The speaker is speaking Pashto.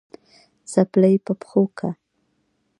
څپلۍ په پښو که